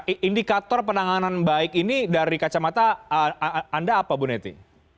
oke nah indikator penanganan baik ini dari kacamata anda apa bu netty